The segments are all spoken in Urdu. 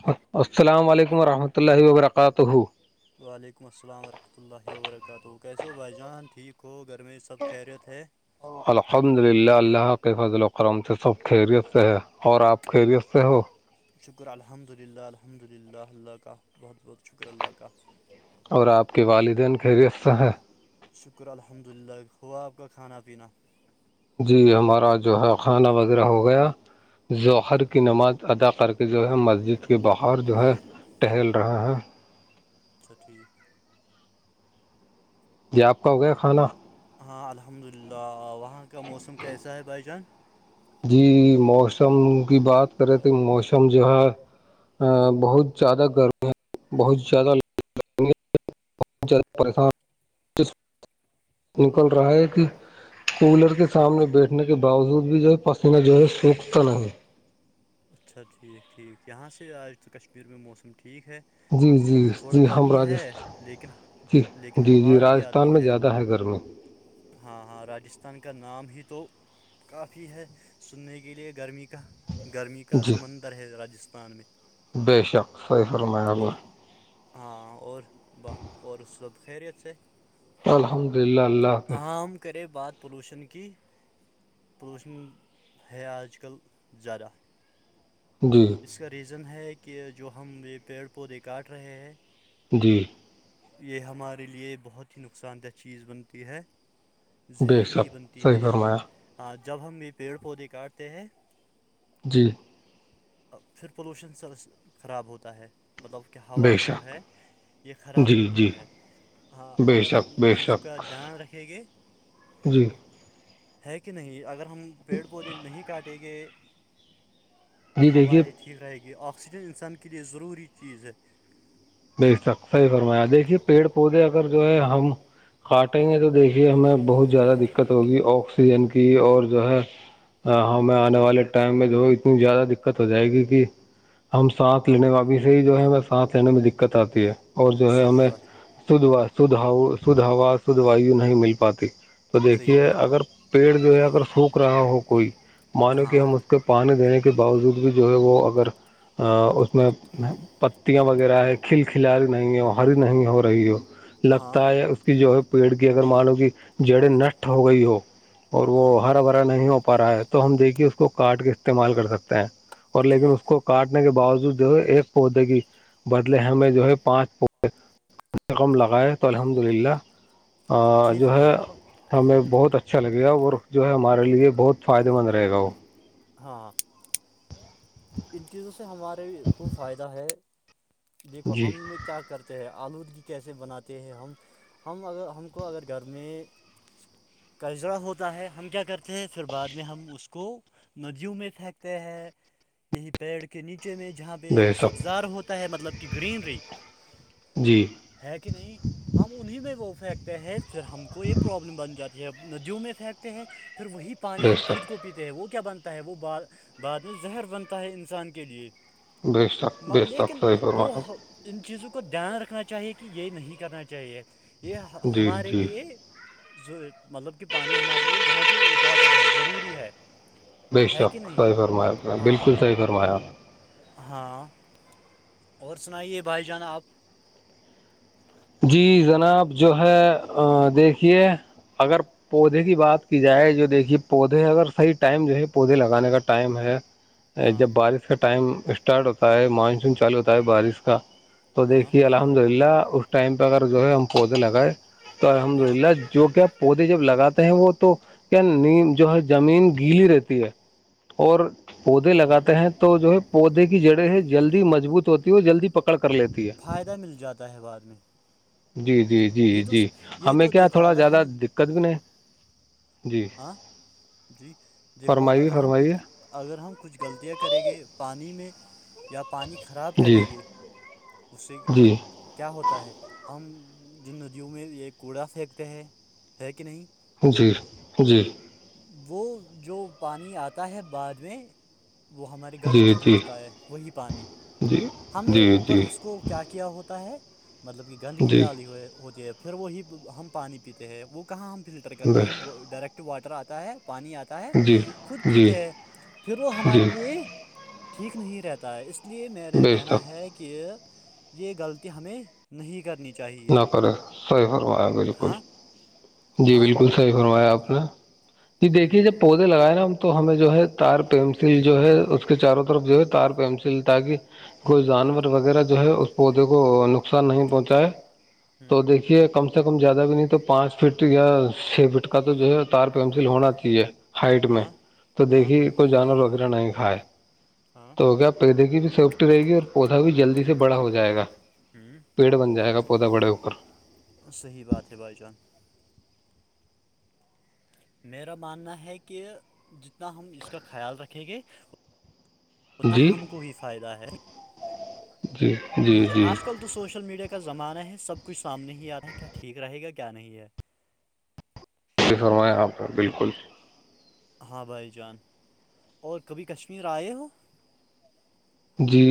حمۃ السلام علیکم ورحمۃ اللہ وبرکاتہ وعلیکم السلام ورحمۃہ اللہ وبرکاتہ کیسے ہو بھائی جان ٹھیک ہو گھر میں سب خیریت ہے الحمد للہ اللہ کے فضل وکرم سے سب خیریت سے ہے اور آپ خیریت سے ہو شکر الحمد للہ الحمد للہ اللہ کا بہت بہت شکر اللہ کا اور آپ کے والدین خیریت سے ہیں شکر الحمد للہ ہوا آپ کا کھانا پینا جی ہمارا جو ہے کھانا وغیرہ ہو گیا ذخر ٹھیک کی نماز ادا کر کے جو ہے مسجد کے بخار جو ہے ٹہل رہے ہیں اچھا ٹھیک جی آپ کا ہو گیا کھانا ہاں الحمد للہ وہاں کا موسم کیسا ہے بھائی جان جی موسم کی بات کریں تو موسم جو ہے بہت زیادہ گرمییا بہت زیادہ بہت زدہ پریشان نکل رہا ہے کہ کولر کے سامنے بیٹھنے کے باوجود بھی جو ہے پسینہ جو ہے سوکھتا نہیں اچھا ٹھیک ٹھیک یہاں سے آج تو کشمیر میں موسم ٹھیک ہے جی جی [unintelligible] تھوڑا جی ہم گرمی ہے راجستھان لیکن جی [unintelligible] لیکن جی ہوا جی بھی آتی راجستھان میں ہے زیادہ گرمی ہاں ہاں راجستھان کا نام ہی تو کافی ہے سننے کے لیے گرمی گرمی کا جی سمندر ہے راجستھان میں بے شک سئی شرما ہوبور ہاں اور ب اور اس وب خیریت سے الحمد للہلہ عام کرے بات پلوشن کی پلوشن ہے آج کل زذیادہ جی اس کا ریزن ہے کہ جو ہم یہ پیڑ پودے کاٹ رہے ہیں جی یہ ہمارے لیے بہت ہی نقصان دہ چیز بنتی ہے بے زہریلی شک بنتی صحیح ہے یہ فرمایا ہاں جب ہم یہ پیڑ پودے کاٹتے ہیں جی پھر پولوشن خراب ہوتا ہے مطلب کہ بے ہوا جو شک ہے یہ خراب جی ہوتی جی ہے ہاں بے اگر ہم شک ان بے چیزوں کا شک دھیان رکھیں گے جی ہے کہ نہیں اگر ہم پیڑ پودے نہیں کاٹیں گے جی دیکھیے ہوائیں ٹھیک رہے گی آکسیجن انسان کے لئے ضروری چیز ہے نہیں سب صحی فرمایا دیکھیے پیڑ پودے اگر جو ہے ہم کاٹیں گے تو دیکھیے ہمیں بہت زیادہ دقت ہوگی آکسیجن کی اور جو ہے ہاں ہاں میں آنے والے ٹائم میں د اتنی زیادہ دقت ہو جائے گی کہ ہم ساتھ لینے والاابی سے ہی جو ہے ہمیں ساتھ لینے میں دقت آتی ہے اور جو ہے صحیح ہمیں بات ہے ھھ شھ ہوا شھ وایو نہیں مل پاتی تو صحیح دیکھیے بات ہے اگر پیڑ جو ہے اگر سوکھ رہا ہو کوئی مانو کہ ہاں ہم اس کے پانی دینے کے باوجود بھی جو ہے وہ اگر اس اس میں پتیاں وغیرہ ہے کھل کھلاری نہیں ہے ہری نہیں ہو رہی ہو ہاں لگتا ہے اس کی جو ہے پیڑ کی اگر مانو کہ جڑیں نشٹ ہو گئی ہو اور ہاں وہ ہرا بھرا نہیں ہو پا رہا ہے تو ہم دیکھیے اس کو کاٹ کے استعمال کر سکتے ہیں اور لیکن اس ٹھیک کو کاٹنے کے باوجود جو ہے ایک پودے کی لے ہمیں جو ہے پانچ ک سے کم لگائے تو الحمد للہ اور ٹھیک جو ہے رہے گا ہمیں بہت اچھا لگے گا ورق جو ہے ہمارے لیے بہت فائدے مند رہے گا وہ ہاں ان چیزوں سے ہمارے کو فائدہ ہے دیکھو جی ہم میں کیا کرتے ہیں آلودگی کیسے بناتے ہیں ہم ہم اگر ہم کو اگر گھر میں کجڑا ہوتا ہے ہم کیا کرتے ہیں پھر بعد میں ہم اس کو ندیوں میں پھینکتے ہیں یہی پیڑ کے نیچے میں جہاں بے شک سبزار ہوتا ہے مطلب کہ گرینری جی ہے کہ نہیں ہم انہیں میں وہ پھینکتے ہیں پھر ہم کو یہ پروابلم بن جاتی یہب ندیوں میں پھینکتے ہیں پھر وہی پانی بے ہم خود کو شک تے ہیں وہ کیا بنتا ہے وہ بعد میں زہر بنتا ہے انسان کے لیے بے شک بے شک لیکن صحیح وہ فرمایا ان چیزوں کو دھیان رکھنا چاہیے کہ یہ نہیں کرنا چاہیے یہ جی ہمارے جی لیے جو مطلب کہ پانی ہمارے لیے بہت ہی امپورٹنٹ ہے ضروری ہے بے ہے شک کہ نہیں صحی فرمایا ہاں بالکل صحیح فرمایا ہاں اور سنائیے بھائی جانا آپ جی جناب جو ہے دیکھیے اگر پودے کی بات کی جائے جو دیکھیے پودے اگرح ٹائم جو ہے پودے لگانے کا ٹائم ہے ہ [inaudible] ہاں جب بارش کا ٹائم اسٹارٹ ہوتا ہے مانسون چالو ہوتا ہے بارش کا تو ہاں دیکھیے اللہ الحمد للہ اس ٹائم پہ اگر جو ہے ہم پودے لگائ تو الحمد ہاں للہ جو کیا پودے جب لگاتے ہیں وہ تو کیا نیم جو ہے زمین گیلی رہتی ہے اور پودے ہوں لگاتے ہیں تو جو ہے پودے کی جڑیں ہے جلدی مضبوط ہوتی ہے اور جلدی پکڑ کر لیتے فائدہ مل جاتا ہے بعد میں جی جی جی یہ تو جی یہ ہمیں تو کیا دیکھو تھوڑا اگر زیادہ ہم دقت بھی نہیں جی ہاں جی دیکھوا فرمائیے اگر ہم فرمائیے کچھ اگر ہم کچھ غلطیاں کریں گے پانی میں یا پانی خراب جی کریں گے اس سے جی کیا ہوتا ہے ہم جو ندیوں میں یہ کوڑا پھینکتے ہیں ہے کہ نہیں جی جی وہ جو پانی آتا ہے بعد میں وہ ہمارے گھروں پہ جی پہنچتا ہے وہی پانی ہم نے جی اوپ جی کو کیا کیا ہوتا ہے مطلب کہ گندگی جی جی ڈالی ہو ہوتی ہے پھر وہی ہم پانی پیتے ہیں وہ کہاں ہم فلٹر کرتے ہیں بس ہم وہ ڈائریکٹ واٹر آتا ہے پانی آتا ہے جی خود جی پیتے ہیں پھر وہ ہمارے جی لیے ٹھیک نہیں رہتا ہے اس اس لیے میرا بیش کہنا تک ہے کہ یہ غلطی ہمیں نہیں کرنی تھی نہ کرے صحیح فرمایا بالکل ہاں جی ہاں بالکل حی فروایا آپ نے یہ دیکھیے ہوں جب پودے لگائے نا تو ہمیں جو ہے تار پینسل جو ہے اس کے چاروں طرف جو ہے تار پینسل تاکہ کوئی جانور وغیرہ جو ہے اس پودے کو نقصان نہیں پہنچائے تو ہوں دیکھیے کم سے کم زیادہ بھی نہیں تو پانچ فٹ یا چھ فٹ کا کا تو جو ہے تار پینسل ہونا چاہیے ہائٹ میں ہاں تو ہاں دیکھیے کوئی جانور وغیرہ نہیں کھائے ہاں تو کیا پودے کی بھی سیفٹی رہے گی اور پودا بھی جلدی سے بڑا ہو جائے گا ہوں پیڑ بن جائے گا پودا بڑےوپر [unintelligible] صحیح بات ہے بھائی جان میرا ماننا ہے کہ جتنا ہم اس کا خیال رکھیں گے اتنا جی ہم کو ہی فائدہ ہے [inaudible] جی آج کل تو سوشل میڈیا کا زمانہ ہے سب کچھ سامنے ہی آ رہا ہے کیا ٹھیک رہے گا کیا نہیں ہے ج فرمائیں آپ کا بالکل ہاں بھائی جان اور کبھی کشمیر آئے ہو جی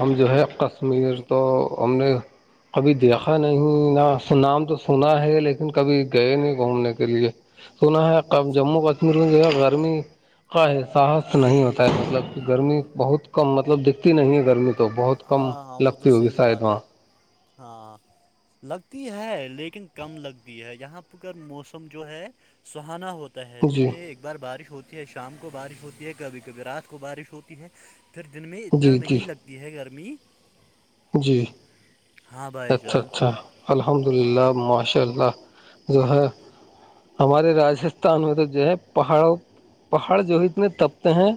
ہم جو ہے کشمیر ہلو تو ہم نے کبھی دیکھا نہیں نا نام تو سنا ہے لیکن کبھی گئے نہیں گھومنے کے لیے سنا ہے کب جموں کشمیر کی جگہ گرمی کا احساس نہیں ہوتا ہے مطلب کہ گرمی بہت کم مطلب دکھتی نہیں ہے گرمی تو بہت کم ہاں ہاں وہ تو لگتی ہوگی صحیح شاید بات وہاں ہے ہاں لگتی ہے لیکن کم لگتی ہے یہاں پر پر موسم جو ہے سہانا ہوتا ہوتا ہے دن جی میں ایک بار بارش ہوتی ہے شام کو بارش ہوتی ہے کبھی کبھی رات کو بارش ہوتی ہے پھر دن میں اتنا جی جی نہیں لگتی ہے گرمی جی ہاں بھائی اچھا جان اچھا الحمد ہاں للہ ماشاء اللہ جو ہے ہمارے راجستھان میں تو جو ہے پہاڑوں پہاڑ جو ہے اتنے تپتے ہیں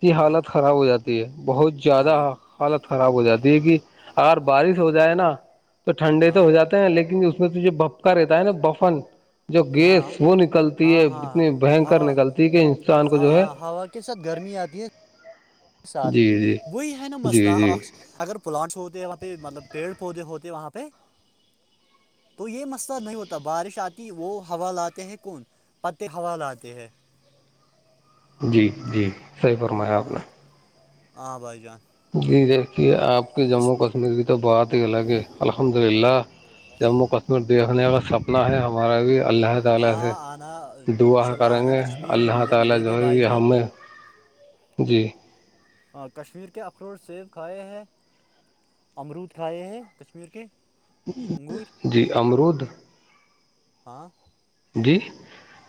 کی ہاں حالت خراب ہو جاتی ہے بہت ہاں زیادہ وہ حالت خراب ہو جاتی ہے کہ اگر بارش ہو جائے نا تو ٹھنڈے تو ہاں ہو جاتے لیکن اس میں تو جو بھپکا رہتا ہے نا بفن جو گیس ہاں وہ نکلتی ہے ہاں ہاں اتنی بنکر ہوا نکلتی کہ انسان کو ہاں جو ہے ہاں ہوا کے ساتھ گرمی آتی ہے ساتھ جی میں جی وہی ہے نا جی مس جی آکس اگر پلاانٹس ہوتےاں پہ مطلب پیڑ پودے ہوتے ہیں وہاں پہ تو یہ مسئلہ نہیں ہوتا بارش آتی وہ ہوا لاتے ہیں کون پتے حواال آتے ہیں جی جی صحیح ہ فرمایا آپ نے بھائی جان جی دیکھیے آپ کے اس جموں کشمیر کی تو بہات ہی الگ ہے الحمد للہ جموں کشمیر دیکھنے کا سپنا ہے ہمارا بھی اللہ اللہ تعالا آ سے آنا دعا انشاء اللہ کریں آنا گے کشمیر اللہ مل تعالا ملے جو گے بھائی ہے جان ہمیں جی ہاں کشمیر کے اخروٹ سیب کھائے ہیں امرود کھائے ہیں کشمیر کے انگور جی امرود ہاں جی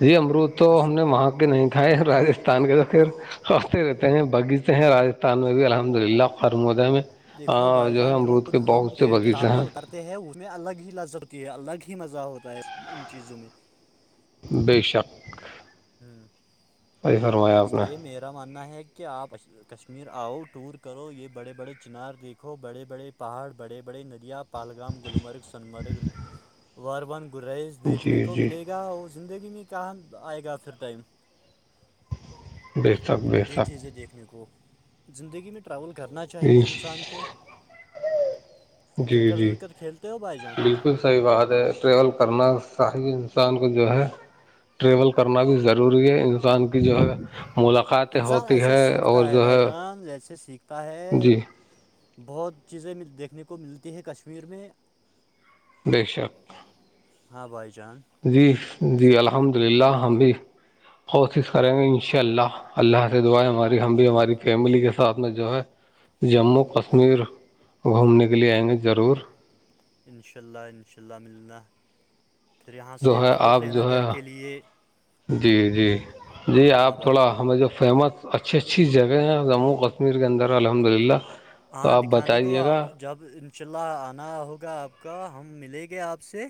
جی امرود تو کشمیر ہم نے وہاں کے نہیں کائے راجستھان کے ذخر رہتے ہیں باغیچے ہیں راجستھان میں بھی الحمد للہ خرمودہ میں دیکھو بھائی ہے جان جو امرود خود کے ہم بہت سے پیڑ کے باغیچے سامنے ہیں اترتے اس میں الگ ہی لذت ہوتی ہے الگ ہی مزہ ہوتا ہے ان چیزوں میں بے شک ہوں سہی فرمایا آپ اس نے لیے میرا ماننا ہے کہ آپ کشمیر آؤ ٹور کرو یہ بڑے بڑے چنار دیکھو بڑے بڑے پہاڑ بڑے بڑے ندیاں پہلگام گلمرگ سنمرگ واربن گریز دیکھنے جی کو جی ملے گا اور زندگی میں کہاں آئے گا پھر ٹائم بہتر یہ چیز ہے دیکھنے کو زندگی میں ٹراول کرنا چاہیے انسان کو جی کرکٹ جی ورکٹ کھیلتے ہو بھائی جان بالکل صحیح بات ہے ٹریول کرنا صحی انسان کو جو ہے ٹریول کرنا بھی ضروری ہے انسان کی جو ہے ملاقات انسان ایسے سیکھتا ہے بھائی جان جیسے سیکھتا ہے جی بہت چیزیں دیکھنے کو ملتی ہے کشمیر میں بے شک ہاں بھائی جان جی جی الحمد للہ ہم بھی کوشش کریں گے ان شاء اللہ اللہ سے دعائیں ہماری ہم بھی ہماری فیملی کے ساتھ میں جو ہے جموں کشمیر گھومنے کے لیے آئیں گے ضرور انشاء اللہ انشاء اللہ ملنلہ پھر یہاں جو سے ہے اخروٹ آپ لینا جو گھر ہے کے لے جی جی جی ہاں آپ بھائی تھوڑا جان، ہمیں جو فیمس اچھی اچھی جگہیں ہیں جموں کشمیر کے اندر الحمد للہ تو ہاں آپ دکھانے کو بتائیے گا جب انشاء اللہ آنا ہوگا آپ کا ہم ملیں گے آپ سے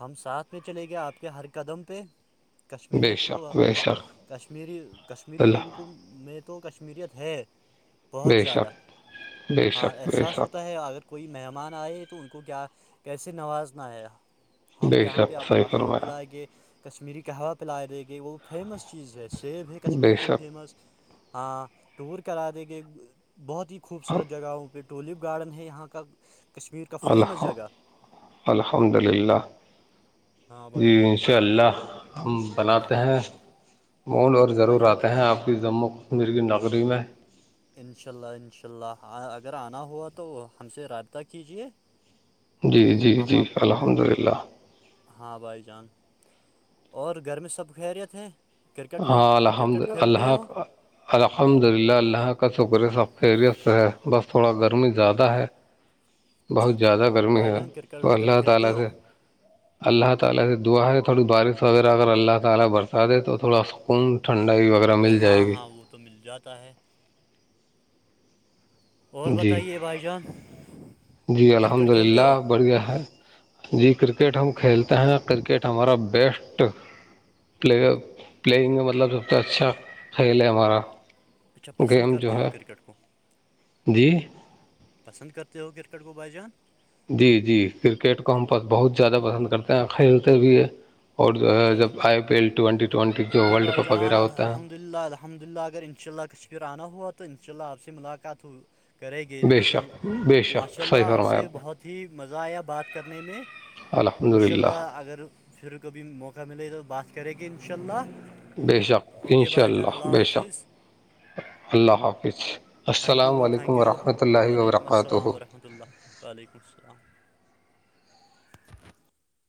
ہم ساتھ میں چلے گئے آپ کے ہر قدم پہ بے کشمیریت تو شک بے شک کشمیری کشمیری لوگوں اللہ کو میں کشمیریت ہے بہت بے زیادہ شک بے ہاں شک بے احساس ہوتا شک ہے اگر کوئی مہمان آئے تو ان کو کیا کیسے نوازنا آیا ہم بے یہاں پہ شک آپ کو صحیح اخروٹ فرمایا دلائیں گے کشمیری قوہ پ لائے دے گئے وہ فیمس چیز ہے سیب ہے کشمیر بے کے شک فیمس ہاں ٹور کرا دے کے بہت ہی خوبصورت جگہوں پہ ٹولپ گارڈن ہے یہاں کا کشمیر کا فیمس جگہ الحمد للہ ہاں ج بھائی جان اک اللہ ہم بناتے ہیں مول اور بھائی ضرور جان آتے ہیں آپ کی ضم میری نگری میں انشاء اللہ انشاء اللہ اگر آنا ہوا تو ہم سے رابطہ کیجیے جی جی ہم جی آپ الحمد للہ ہاں بھائی جان اور گھر میں سب خیریت ہیں کرکٹ میں ہاں الحمد کرکٹ کھیلتے اللہ ہو الحمد للہ اللہ کا شکرے سب خیریت سے ہے بس تھوڑا گرمی زیادہ ہے [inaudible] [inaudible] اچھا تھوڑا ٹھیک بھائی جان کرکٹ ورکٹ کھیلتے ہو سکون ھنڈائی وغیرہ مل ہاں جائے گی ہاں وہ تو مل جاتا ہے اور جی بتائیے بھائی جان جی الحمد کرکٹ کھیلتے للہ ہو بڑھیا ہے جی کرکٹ ہم کھیلتے ہیں کرکٹ ہمارا بیسٹ پلیئر پلیئنگ مطلب سب سے اچھا کھیل ہے ہمارا اچھا پسند گیم جو کرتے ہو ہے کرکٹ کو جی پسند کرتے ہو کرکٹ کو بائی جان جی جی کرکٹ کو ہم بس بہت زیادہ پسند کرتے ہیں کھیلتے بھی ہیں اور جو ہے چلو جب I P L twenty twenty جو ورلڈ کپ وغیرہ ہوتا ہے الحد للہ الحمد للہ اگر ا انناء اللہ کشمیر آنا ہوا تو انشاء اللہ آپ سے ملاقات ہو کریں گے ان بے شاء شک اللہ بے شک ماشاء صحیح اللہ آپ فرمایا سے نے بہت ہی مزہ آیا بات کرنے میں الحمد اشاء للہ اللہ اگر پھر کبھی موقع ملے تو بات کریں کہ انشاء اللہ بے شک ان اوکے شاء بھائی جان اللہ بے شک حافظ اللہ حافظ تھینک یو السلام بو علیکم تھینک یو ورحمۃ اللہ وعلیکم السلام وبرکاتہ وورحمت اللہ وعلیکم السلام